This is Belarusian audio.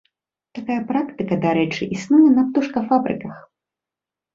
Такая практыка, дарэчы, існуе на птушкафабрыках.